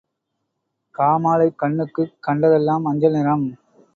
காமாலைக் கண்ணுக்குக் கண்டதெல்லாம் மஞ்சள் நிறம்.